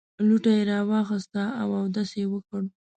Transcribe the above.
لوټه یې راواخیسته او اودس یې وکړ.